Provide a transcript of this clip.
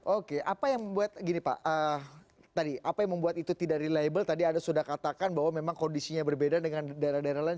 oke apa yang membuat gini pak tadi apa yang membuat itu tidak reliable tadi anda sudah katakan bahwa memang kondisinya berbeda dengan daerah daerah lain